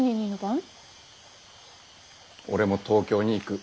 俺も東京に行く。